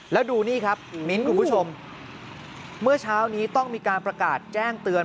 แล้วดูนี่ครับมิ้นคุณผู้ชมเมื่อเช้านี้ต้องมีการประกาศแจ้งเตือน